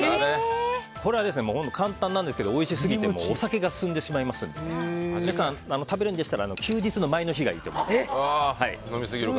これは本当に簡単なんですけどおいしすぎてお酒が進んでしまいますので食べるんでしたら休日の前の日がいいと思います。